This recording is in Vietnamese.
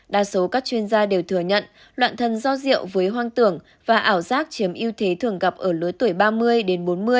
đa số các chuyên gia đều thừa nhận loạn thần do rượu với hoang tưởng và ảo giác chiếm ưu thế thường gặp ở lứa tuổi ba mươi đến bốn mươi